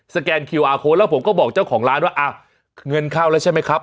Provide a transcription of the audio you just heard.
แกนคิวอาร์โค้ดแล้วผมก็บอกเจ้าของร้านว่าอ้าวเงินเข้าแล้วใช่ไหมครับ